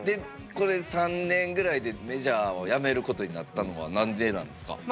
これ３年ぐらいでメジャーをやめることになったのは何でなんですか？